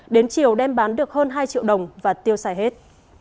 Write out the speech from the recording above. đến chiều đem bán được hơn hai triệu đồng và tiêu xài hết